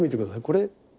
これ。